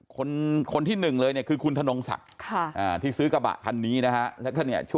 คนคนที่หนึ่งเลยเนี่ย